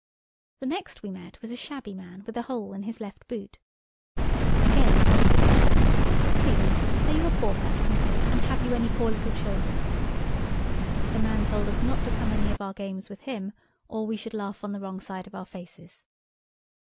The next we met was a shabby man with a hole in his left boot. Again Oswald said, "Please, are you a poor person, and have you any poor little children?" The man told us not to come any of our games with him; or we should laugh on the wrong side of our faces.